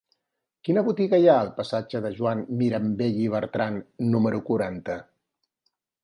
Quina botiga hi ha al passatge de Joan Mirambell i Bertran número quaranta?